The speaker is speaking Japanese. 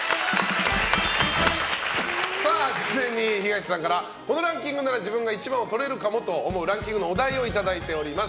事前に東さんからこのランキングなら自分が１番をとれるかもと思うランキングのお題をいただいております。